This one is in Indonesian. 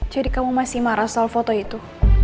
jadi kamu masih marah soal foto itu